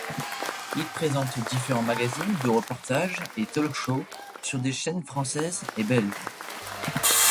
Il présente différents magazines de reportages et talk-shows sur des chaînes françaises et belges.